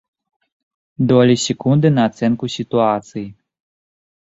Долі секунды на ацэнку сітуацыі.